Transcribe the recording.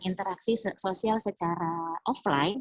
interaksi sosial secara offline